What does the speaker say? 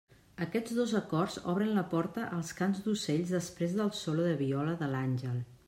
Aquests dos acords obren la porta als cants d'ocells després del solo de viola de l'àngel.